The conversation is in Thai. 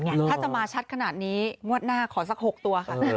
ถ้าจะมาชัดขนาดนี้งวดหน้าขอสัก๖ตัวค่ะ